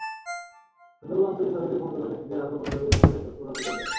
সুন্দরবন অঞ্চলে সরকারি ক্ষমতাধর ব্যক্তিদের আরও বনজমি দখলের তৎপরতা জোরদার।